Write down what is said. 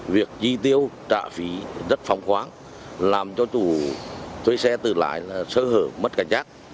việc chi tiêu trả phí rất phong khoáng làm cho chủ thuê xe tự lái là sơ hở mất cảnh giác